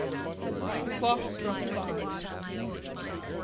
The clock struck five.